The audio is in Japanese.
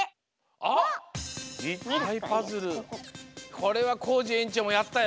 これはコージえんちょうもやったよ！